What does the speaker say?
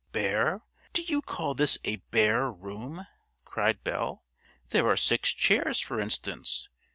"Bare! Do you call this a bare room?" cried Belle. "There are six chairs, for instance.